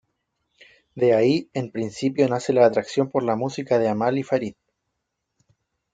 De ahí en principio nace la atracción por la música de Amal y Farid.